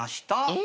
え？